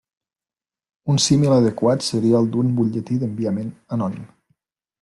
Un símil adequat seria el d'un butlletí d'enviament anònim.